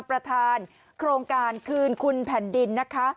ประธานโครงการคืนคุณแผ่นดินนะคะ